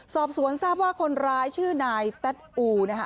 สอบสวนทราบว่าคนร้ายชื่อนายแต๊ดอูนะคะ